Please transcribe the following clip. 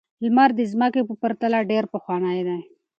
لمر د ځمکې په پرتله ډېر پخوانی دی.